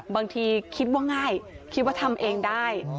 บางทีคิดว่าง่ายคิดว่าทำเองได้